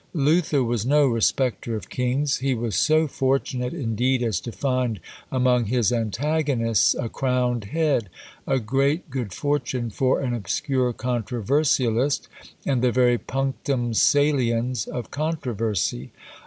Luther was no respecter of kings; he was so fortunate, indeed, as to find among his antagonists a crowned head; a great good fortune for an obscure controversialist, and the very punctum saliens of controversy.